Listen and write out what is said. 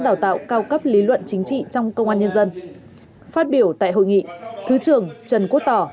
đào tạo cao cấp lý luận chính trị trong công an nhân dân phát biểu tại hội nghị thứ trưởng trần quốc tỏ